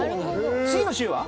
次の週は？